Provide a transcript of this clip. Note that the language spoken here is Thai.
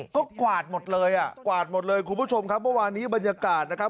ก็กวาดหมดเลยอ่ะกวาดหมดเลยคุณผู้ชมครับเมื่อวานนี้บรรยากาศนะครับ